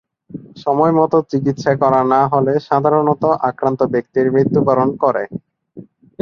সময়মতো চিকিৎসা করা না হলে সাধারণত আক্রান্ত ব্যক্তির মৃত্যুবরণ করে।